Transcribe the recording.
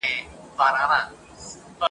خو اوس نه وینمه هیڅ سامان په سترګو !.